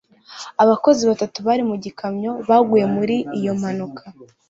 abakozi batatu bari mu gikamyo baguye muri iyo mpanuka